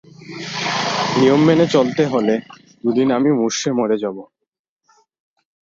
নিয়ম মেনে চলতে হলে দুদিনে আমি মুষড়ে মরে যাব।